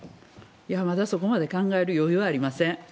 いや、まだそこまで考える余裕はありません。